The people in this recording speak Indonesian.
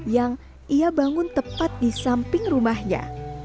yang ia bangun tepat di samping rumahnya